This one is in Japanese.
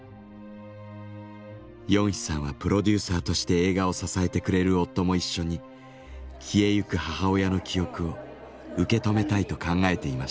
ヨンヒさんはプロデューサーとして映画を支えてくれる夫も一緒に消えゆく母親の記憶を受け止めたいと考えていました。